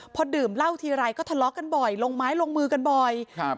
พอดื่มเหล้าทีไรก็ทะเลาะกันบ่อยลงไม้ลงมือกันบ่อยครับ